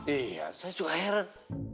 iya saya juga heret